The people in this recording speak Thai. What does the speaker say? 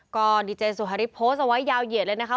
ก็ดีเจสุฮาริสโพสต์เอาไว้ยาวเหยียดเลยนะคะ